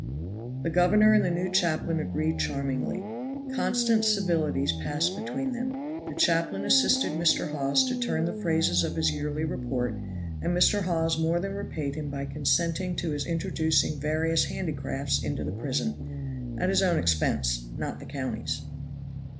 The governor and the new chaplain agreed charmingly; constant civilities passed between them. The chaplain assisted Mr. Hawes to turn the phrases of his yearly report; and Mr. Hawes more than repaid him by consenting to his introducing various handicrafts into the prison at his own expense, not the county's.